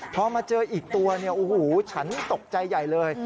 พอมาเจออีกตัวเนี่ยโอ้โหฉันตกใจใหญ่เลย